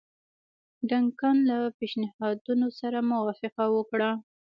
ډنکن له پېشنهادونو سره موافقه وکړه.